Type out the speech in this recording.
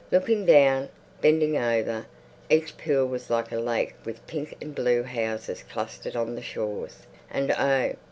Looking down, bending over, each pool was like a lake with pink and blue houses clustered on the shores; and oh!